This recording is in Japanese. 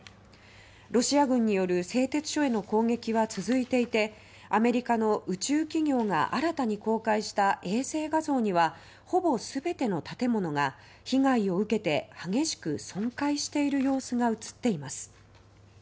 ロシア軍による製鉄所への攻撃は続いていてアメリカの宇宙企業が新たに公開した衛星画像にはほぼ全ての建物が被害を受けて激しく損壊している様子が写っています。